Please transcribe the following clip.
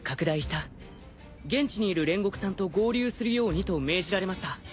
「現地にいる煉獄さんと合流するように」と命じられました。